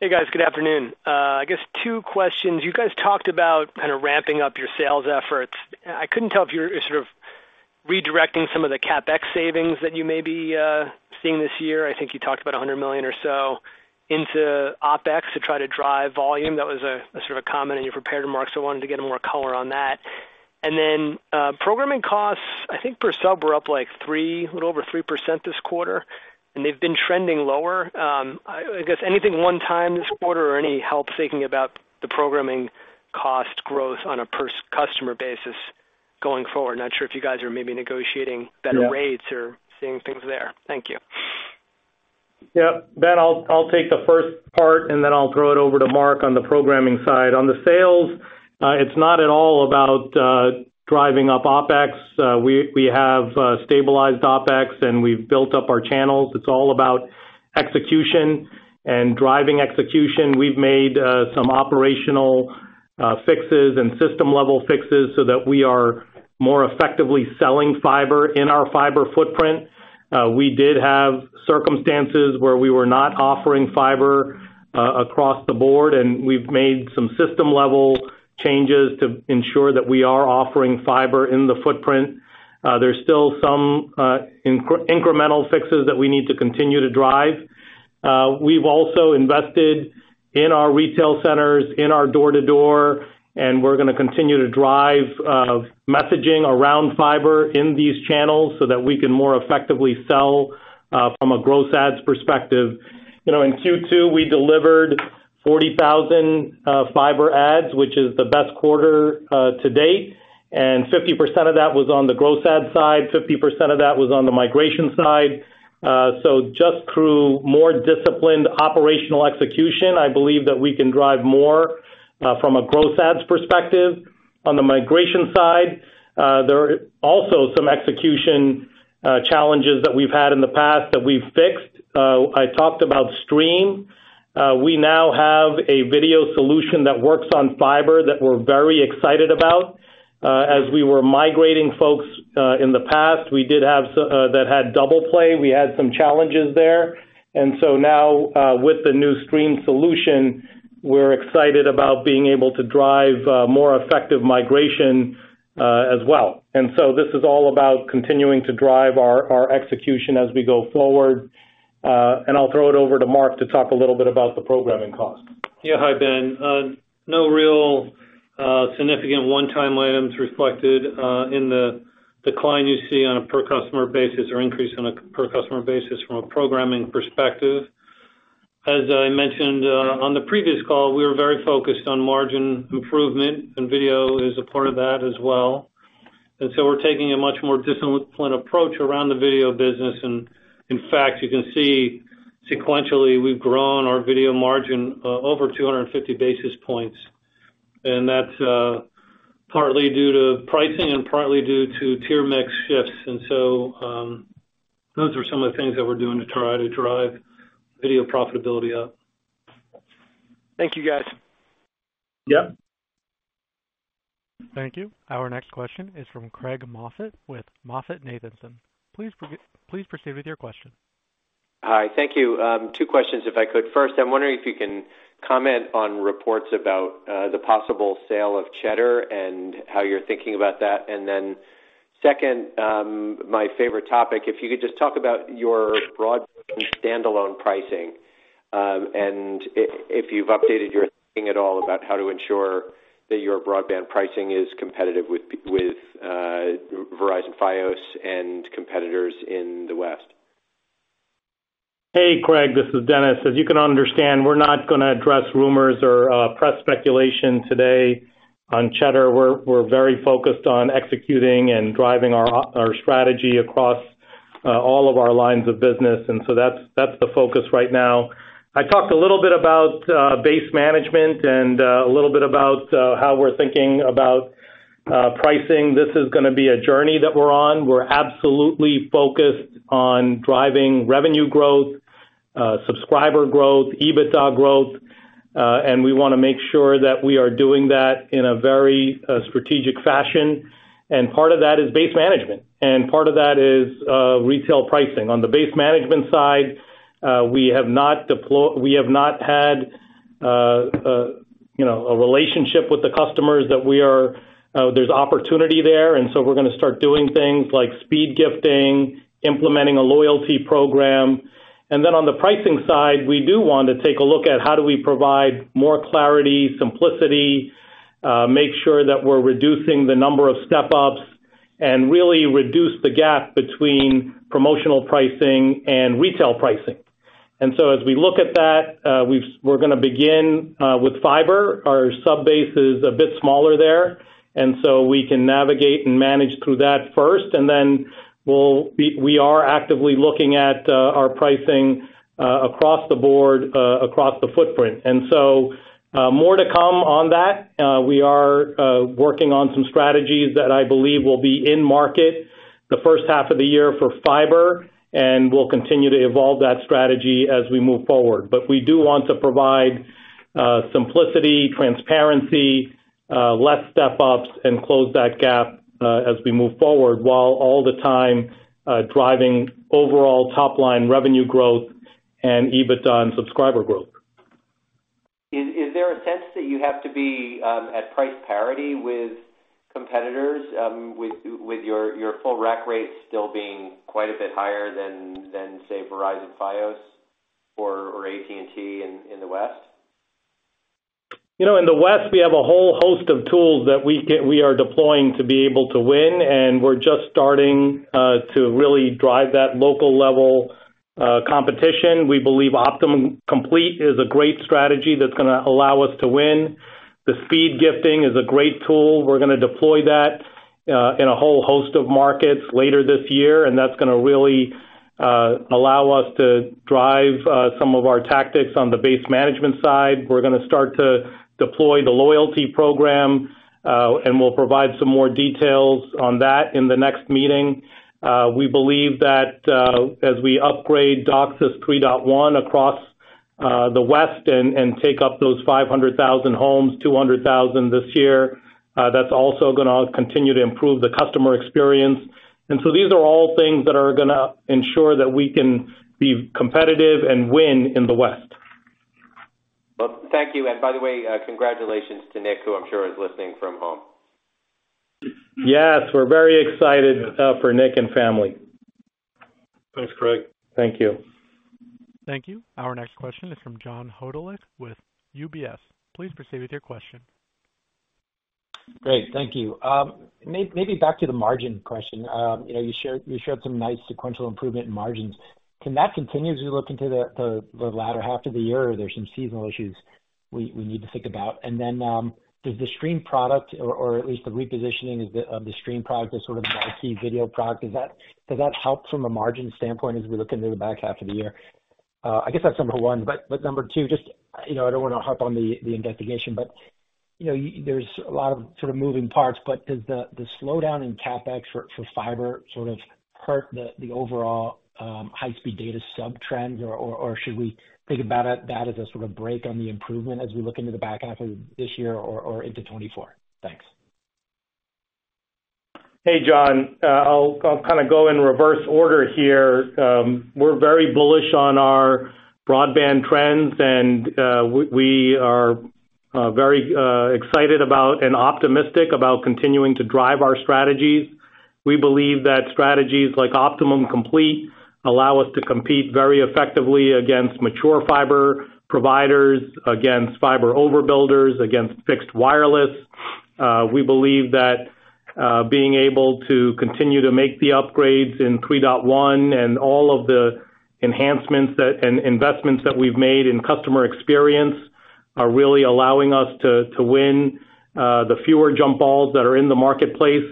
Hey, guys. Good afternoon. I guess two questions. You guys talked about kind of ramping up your sales efforts. I couldn't tell if you were sort of redirecting some of the CapEx savings that you may be seeing this year. I think you talked about $100 million or so into OpEx to try to drive volume. That was a sort of a comment in your prepared remarks, so I wanted to get more color on that. Then programming costs, I think per sub, were up like 3%, a little over 3% this quarter, and they've been trending lower. I guess anything one-time this quarter or any help thinking about the programming cost growth on a per customer basis going forward? Not sure if you guys are maybe negotiating better rates. Yeah. seeing things there. Thank you. Yep. Ben, I'll, I'll take the first part, and then I'll throw it over to Marc on the programming side. On the sales, it's not at all about driving up OpEx. We, we have stabilized OpEx, and we've built up our channels. It's all about execution and driving execution. We've made some operational fixes and system-level fixes so that we are more effectively selling fiber in our fiber footprint. We did have circumstances where we were not offering fiber across the board, and we've made some system-level changes to ensure that we are offering fiber in the footprint. There's still some incremental fixes that we need to continue to drive. We've also invested in our retail centers, in our door-to-door. We're gonna continue to drive messaging around fiber in these channels so that we can more effectively sell from a growth adds perspective. You know, in Q2, we delivered 40,000 fiber adds, which is the best quarter to date, and 50% of that was on the growth adds side, 50% of that was on the migration side. So just through more disciplined operational execution, I believe that we can drive more from a growth adds perspective. On the migration side, there are also some execution challenges that we've had in the past that we've fixed. I talked about Stream. We now have a video solution that works on fiber that we're very excited about. As we were migrating folks, in the past, we did have some that had double play. We had some challenges there. Now, with the new Stream solution, we're excited about being able to drive more effective migration as well. This is all about continuing to drive our, our execution as we go forward. I'll throw it over to Marc to talk a little bit about the programming cost. Yeah. Hi, Ben. no real, significant one-time items reflected, in the decline you see on a per customer basis or increase on a per customer basis from a programming perspective. As I mentioned, on the previous call, we were very focused on margin improvement, and video is a part of that as well. We're taking a much more disciplined approach around the video business, and in fact, you can see sequentially, we've grown our video margin, over 250 basis points. That's partly due to pricing and partly due to tier mix shifts. Those are some of the things that we're doing to try to drive video profitability up. Thank you, guys. Yep. Thank you. Our next question is from Craig Moffett with MoffettNathanson. Please proceed with your question. Hi, thank you. Two questions, if I could. First, I'm wondering if you can comment on reports about the possible sale of Cheddar and how you're thinking about that. Then second, my favorite topic, if you could just talk about your broadband standalone pricing, and if you've updated your thinking at all about how to ensure that your broadband pricing is competitive with with Verizon Fios and competitors in the West. Hey, Craig, this is Dennis. As you can understand, we're not gonna address rumors or press speculation today on Cheddar. We're, we're very focused on executing and driving our strategy across all of our lines of business, and so that's, that's the focus right now. I talked a little bit about base management and a little bit about how we're thinking about pricing. This is gonna be a journey that we're on. We're absolutely focused on driving revenue growth, subscriber growth, EBITDA growth, and we wanna make sure that we are doing that in a very strategic fashion, and part of that is base management, and part of that is retail pricing. On the base management side, we have not had, you know, a relationship with the customers that we are, there's opportunity there, and so we're gonna start doing things like speed gifting, implementing a loyalty program. Then on the pricing side, we do want to take a look at how do we provide more clarity, simplicity, make sure that we're reducing the number of step-ups, and really reduce the gap between promotional pricing and retail pricing. So as we look at that, we're gonna begin with fiber. Our subbase is a bit smaller there, and so we can navigate and manage through that first, and then we are actively looking at our pricing across the board across the footprint. So, more to come on that. We are working on some strategies that I believe will be in market the first half of the year for fiber, and we'll continue to evolve that strategy as we move forward. We do want to provide simplicity, transparency, less step-ups and close that gap as we move forward, while all the time driving overall top-line revenue growth and EBITDA and subscriber growth. Is, is there a sense that you have to be, at price parity with competitors, with, with your, your full rack rates still being quite a bit higher than, than, say, Verizon Fios or, or AT&T in, in the West? You know, in the West, we have a whole host of tools that we are deploying to be able to win. We're just starting to really drive that local level competition. We believe Optimum Complete is a great strategy that's gonna allow us to win. The speed gifting is a great tool. We're gonna deploy that in a whole host of markets later this year. That's gonna really allow us to drive some of our tactics on the base management side. We're gonna start to deploy the loyalty program. We'll provide some more details on that in the next meeting. We believe that as we upgrade DOCSIS 3.1 across the West and take up those 500,000 homes, 200,000 this year, that's also going to continue to improve the customer experience. These are all things that are going to ensure that we can be competitive and win in the West. Well, thank you. And by the way, congratulations to Nick, who I'm sure is listening from home. Yes, we're very excited, for Nick and family. Thanks, Craig. Thank you. Thank you. Our next question is from Jon Hodulik with UBS. Please proceed with your question. Great. Thank you. maybe back to the margin question. you know, you showed, you showed some nice sequential improvement in margins. Can that continue as we look into the, the, the latter half of the year, or are there some seasonal issues we, we need to think about? Does the Stream product or, or at least the repositioning of the, of the Stream product as sort of the key video product, did that help from a margin standpoint as we look into the back half of the year? I guess that's number one, but, but number two, just, you know, I don't wanna harp on the, the investigation, but, you know, there's a lot of sort of moving parts, but does the, the slowdown in CapEx for, for fiber sort of hurt the, the overall high-speed data sub-trends, or, or, or should we think about that as a sort of break on the improvement as we look into the back half of this year or, or into 2024? Thanks. Hey, Jon. I'll, I'll kind of go in reverse order here. We're very bullish on our broadband trends, and we are very excited about and optimistic about continuing to drive our strategies. We believe that strategies like Optimum Complete allow us to compete very effectively against mature fiber providers, against fiber overbuilders, against fixed wireless. We believe that being able to continue to make the upgrades in 3.1 and all of the enhancements that and investments that we've made in customer experience, are really allowing us to, to win the fewer jump balls that are in the marketplace.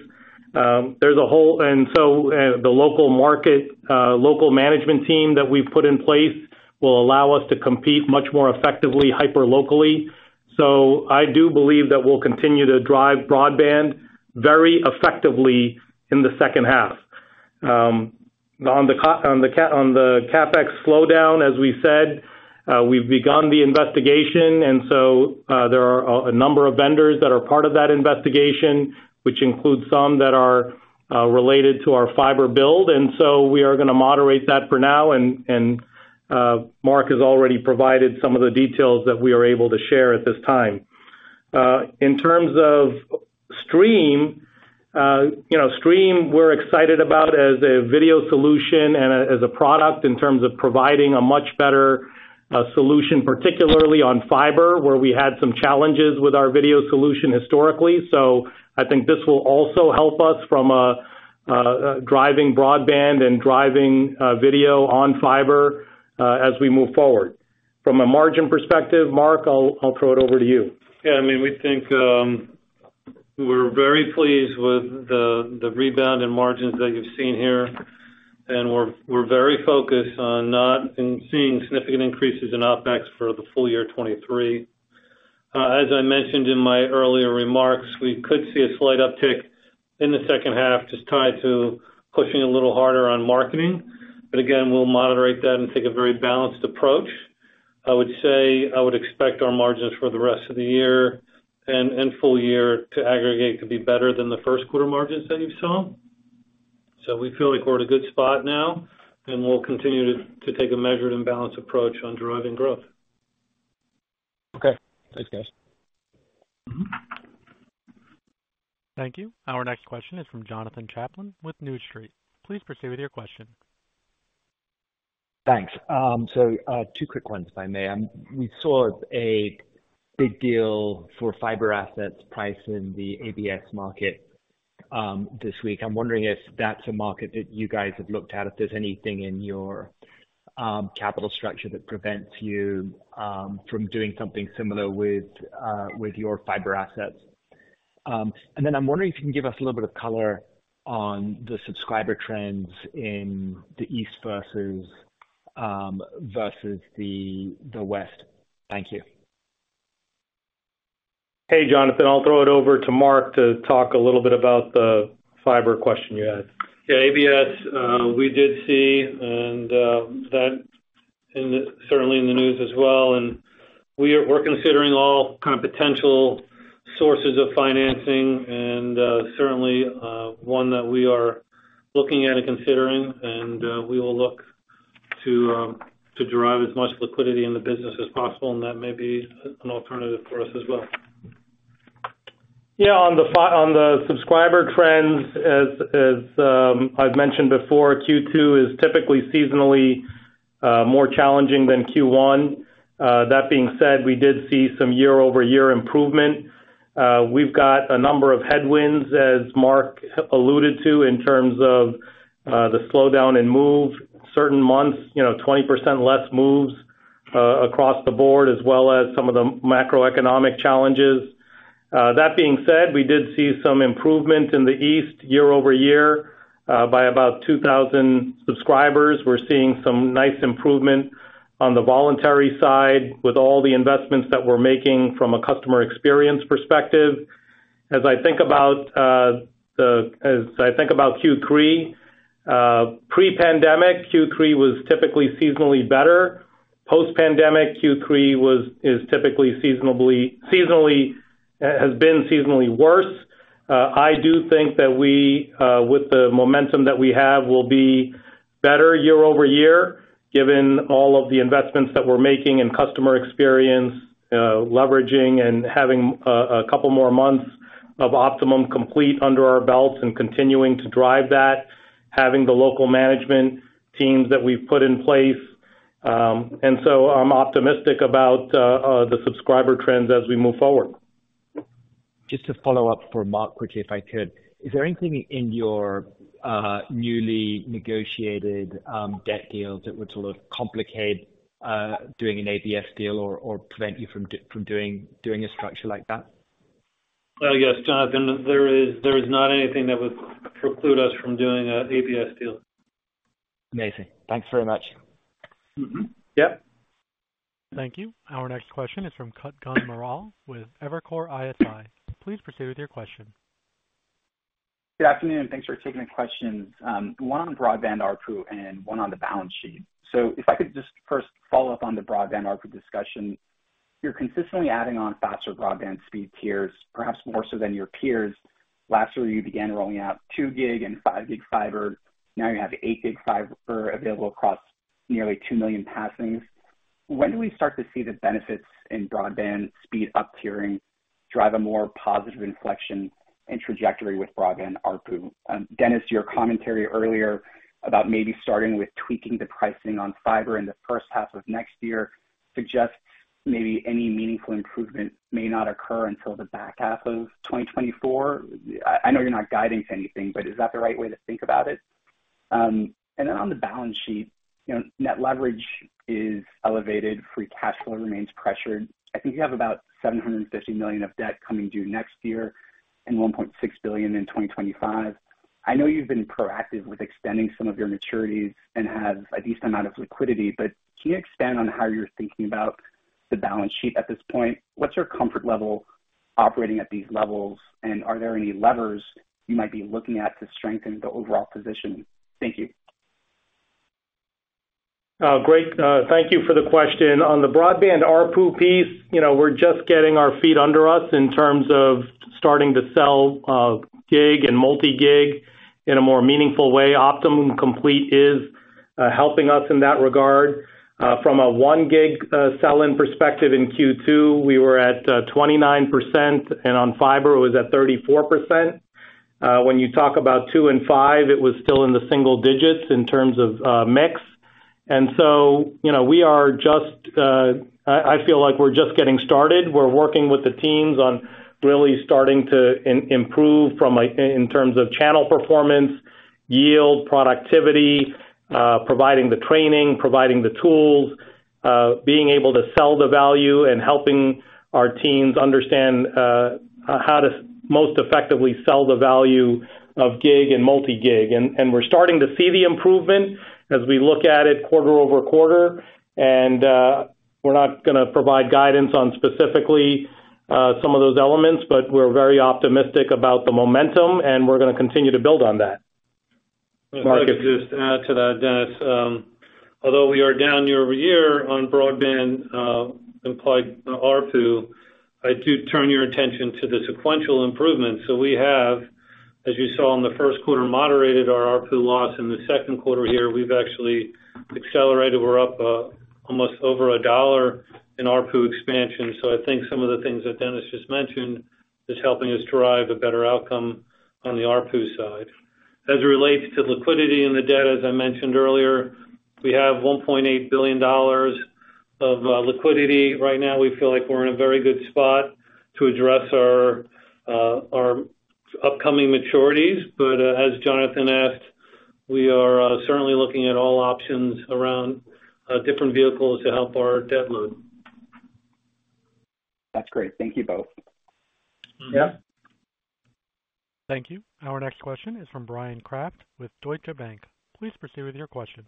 There's a whole. So the local market local management team that we've put in place will allow us to compete much more effectively, hyper locally. I do believe that we'll continue to drive broadband very effectively in the second half. On the CapEx slowdown, as we said, we've begun the investigation, and so, there are a number of vendors that are part of that investigation, which includes some that are related to our fiber build, and so we are gonna moderate that for now. Marc has already provided some of the details that we are able to share at this time. In terms of Stream, you know, Stream, we're excited about as a video solution and as a product in terms of providing a much better solution, particularly on fiber, where we had some challenges with our video solution historically. I think this will also help us from a driving broadband and driving video on fiber as we move forward. From a margin perspective, Marc, I'll, I'll throw it over to you. Yeah, I mean, we think, we're very pleased with the rebound in margins that you've seen here, and we're very focused on not seeing significant increases in OpEx for the full year 2023. As I mentioned in my earlier remarks, we could see a slight uptick in the second half, just tied to pushing a little harder on marketing. Again, we'll moderate that and take a very balanced approach. I would say, I would expect our margins for the rest of the year and full year to aggregate to be better than the 1st quarter margins that you saw. We feel like we're at a good spot now, and we'll continue to take a measured and balanced approach on driving growth. Okay. Thanks, guys. Mm-hmm. Thank you. Our next question is from Jonathan Chaplin with New Street. Please proceed with your question. Thanks. Two quick ones, if I may. We saw a big deal for fiber assets priced in the ABS market this week. I'm wondering if that's a market that you guys have looked at, if there's anything in your capital structure that prevents you from doing something similar with your fiber assets? I'm wondering if you can give us a little bit of color on the subscriber trends in the East versus versus the West. Thank you. Hey, Jonathan, I'll throw it over to Marc to talk a little bit about the fiber question you asked. Yeah, ABS, we did see, and that in the-- certainly in the news as well, and we're considering all kind of potential sources of financing, and certainly, one that we are looking at and considering, and we will look to derive as much liquidity in the business as possible, and that may be an alternative for us as well. On the on the subscriber trends, as, as, I've mentioned before, Q2 is typically seasonally more challenging than Q1. That being said, we did see some year-over-year improvement. We've got a number of headwinds, as Marc alluded to, in terms of the slowdown in move. Certain months, you know, 20% less moves across the board, as well as some of the macroeconomic challenges. That being said, we did see some improvement in the East, year-over-year, by about 2,000 subscribers. We're seeing some nice improvement on the voluntary side with all the investments that we're making from a customer experience perspective. As I think about as I think about Q3, pre-pandemic, Q3 was typically seasonally better. Post-pandemic, Q3 was, is typically seasonally has been seasonally worse. I do think that we, with the momentum that we have, will be better year-over-year, given all of the investments that we're making in customer experience, leveraging and having couple more months of Optimum Complete under our belts and continuing to drive that, having the local management teams that we've put in place. So I'm optimistic about the subscriber trends as we move forward. Just to follow up for Marc quickly, if I could. Is there anything in your newly negotiated debt deal that would sort of complicate doing an ABS deal or, or prevent you from from doing, doing a structure like that? Yes, Jonathan, there is, there is not anything that would preclude us from doing an ABS deal. Amazing. Thanks very much. Mm-hmm. Yep. Thank you. Our next question is from Kutgan Maral with Evercore ISI. Please proceed with your question. Good afternoon, thanks for taking the questions. One on broadband ARPU and one on the balance sheet. If I could just first follow up on the broadband ARPU discussion. You're consistently adding on faster broadband speed tiers, perhaps more so than your peers. Last year, you began rolling out 2 gig and 5 gig fiber. Now you have 8 gig fiber available across nearly 2 million passings. When do we start to see the benefits in broadband speed up tiering drive a more positive inflection and trajectory with broadband ARPU? Dennis, your commentary earlier about maybe starting with tweaking the pricing on fiber in the first half of next year, suggests maybe any meaningful improvement may not occur until the back half of 2024. I know you're not guiding to anything, but is that the right way to think about it? Then on the balance sheet, you know, net leverage is elevated, free cash flow remains pressured. I think you have about $750 million of debt coming due next year and $1.6 billion in 2025. I know you've been proactive with extending some of your maturities and have a decent amount of liquidity, can you expand on how you're thinking about the balance sheet at this point? What's your comfort level operating at these levels, and are there any levers you might be looking at to strengthen the overall position? Thank you. Great. Thank you for the question. On the broadband ARPU piece, you know, we're just getting our feet under us in terms of starting to sell gig and multi-gig in a more meaningful way. Optimum Complete is helping us in that regard. From a 1 gig sell-in perspective in Q2, we were at 29%, and on fiber, it was at 34%. When you talk about 2 and 5, it was still in the single digits in terms of mix. You know, we are just, I, I feel like we're just getting started. We're working with the teams on really starting to improve in terms of channel performance, yield, productivity, providing the training, providing the tools, being able to sell the value and helping our teams understand how to most effectively sell the value of gig and multi-gig. We're starting to see the improvement as we look at it quarter-over-quarter. We're not gonna provide guidance on specifically some of those elements, but we're very optimistic about the momentum, and we're gonna continue to build on that. If I could just add to that, Dennis. Although we are down year-over-year on broadband, implied ARPU, I do turn your attention to the sequential improvement. We have, as you saw in the first quarter, moderated our ARPU loss. In the second quarter here, we've actually accelerated. We're up almost over $1 in ARPU expansion. I think some of the things that Dennis just mentioned is helping us drive a better outcome on the ARPU side. As it relates to liquidity and the debt, as I mentioned earlier, we have $1.8 billion of liquidity. Right now, we feel like we're in a very good spot to address our upcoming maturities. As Jonathan asked, we are certainly looking at all options around different vehicles to help our debt load. That's great. Thank you both. Yep. Thank you. Our next question is from Bryan Kraft with Deutsche Bank. Please proceed with your question.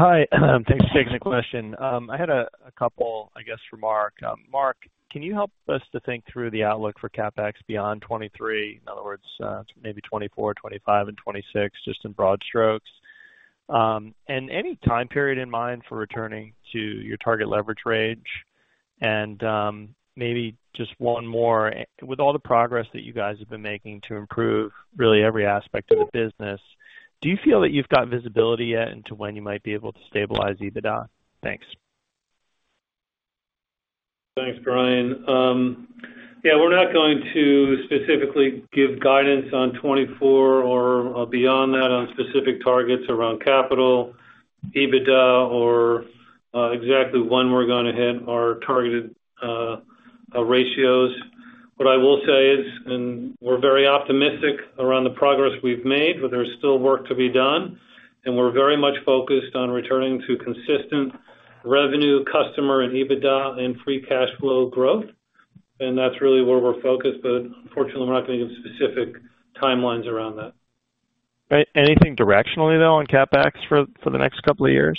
Hi, thanks for taking the question. I had a couple, I guess, for Marc. Marc, can you help us to think through the outlook for CapEx beyond 2023? In other words, maybe 2024, 2025 and 2026, just in broad strokes. Any time period in mind for returning to your target leverage range? Maybe just one more. With all the progress that you guys have been making to improve really every aspect of the business, do you feel that you've got visibility yet into when you might be able to stabilize EBITDA? Thanks. Thanks, Bryan. Yeah, we're not going to specifically give guidance on 2024 or, or beyond that on specific targets around capital, EBITDA, or exactly when we're gonna hit our targeted ratios. What I will say is, we're very optimistic around the progress we've made, but there's still work to be done, we're very much focused on returning to consistent revenue, customer, and EBITDA and free cash flow growth, that's really where we're focused, unfortunately, we're not gonna give specific timelines around that. Anything directionally, though, on CapEx for, for the next couple of years?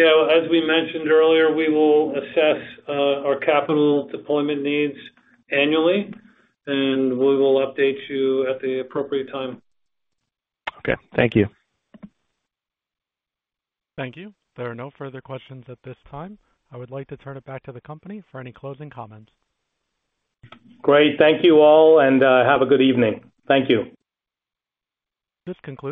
Yeah, as we mentioned earlier, we will assess our capital deployment needs annually, and we will update you at the appropriate time. Okay. Thank you. Thank you. There are no further questions at this time. I would like to turn it back to the company for any closing comments. Great. Thank you all, and have a good evening. Thank you. This concludes.